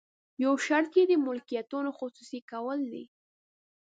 یو شرط یې د ملکیتونو خصوصي کول دي.